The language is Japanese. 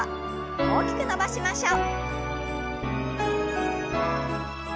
大きく伸ばしましょう。